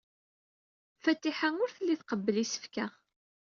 Fatiḥa ur telli tqebbel isefka.